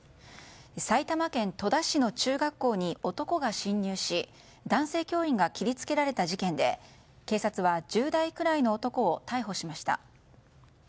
埼玉県戸田市の中学校に男が侵入し、男性教員が切りつけられた事件で警察は１０代くらいの男を逮捕しました。